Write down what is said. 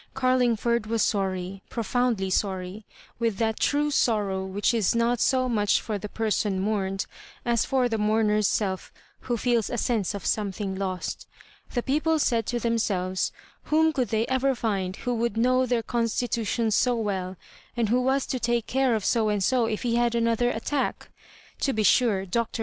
Oarlingford was sorry, profoundly sorry, with that true sorrow which is not so much for the person mourned as for the mourn er's self, who feels a sense of something lost The people said to themselves, Whom could they ever find who would know their constitu tions so well, and who was to take care of So and so if he had another attack? To be sure. Dr.